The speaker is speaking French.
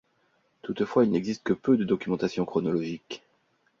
Toutefois, il n'existe que peu de documentation chronologique.